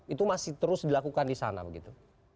itu masih terus dilakukan disana begitu